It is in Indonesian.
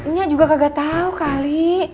nya juga kagak tau kali